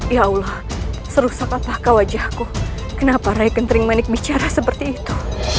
ya allah serusah apa paka wajahku kenapa rai kentering manik bicara seperti itu